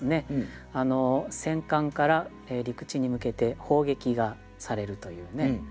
戦艦から陸地に向けて砲撃がされるというね